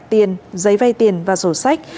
tiền giấy vay tiền và sổ sách